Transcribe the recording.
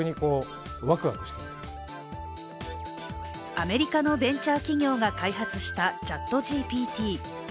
アメリカのベンチャー企業が開発したＣｈａｔＧＰＴ。